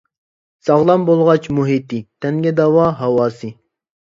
ساغلام بولغاچ مۇھىتى، تەنگە داۋا ھاۋاسى.